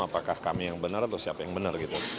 apakah kami yang benar atau siapa yang benar gitu